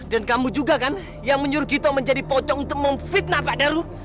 dan kamu juga kan yang menyuruh gito menjadi pocong untuk memfitnah pak daru